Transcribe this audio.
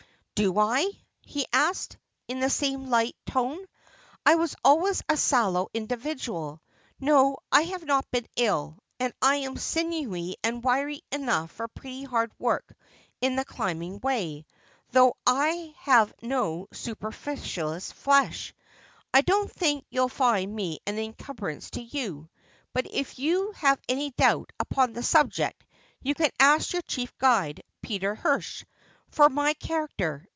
'" Do I ?" he asked, in the same light tone ;" I was always a sallow individual. No, I have not been ill ; and I am sinewy and wiry enough for pretty hard work in the climbing way, though I have no superfluous flesh. I don't think you'll find me an encumbrance to you ; but if you have any doubt upon the subject you can ask your chief guide, Peter Hirsch, for my character.